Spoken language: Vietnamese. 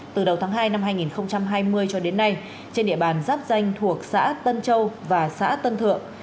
từ đầu tháng hai năm hai nghìn hai mươi cho đến nay trên địa bàn giáp danh thuộc xã tân châu và xã tân thượng